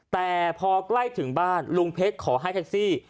แต่พอใกล้ถึงบ้านลุงเพชรขอให้แท็กซี่